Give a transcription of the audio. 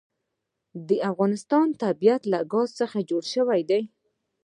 د افغانستان طبیعت له ګاز څخه جوړ شوی دی.